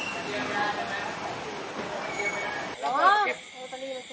ห้องเด็กจิลวิธีสินาที๙วัน๙นสวัสดีครับ